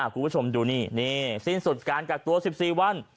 คุณผู้ชมดูนี่นี่สิ้นสุดการกักตัว๑๔วัน